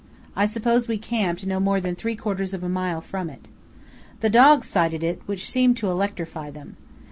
I suppose we camped no more than three quarters of a mile from it. The dogs sighted it, which seemed to electrify them.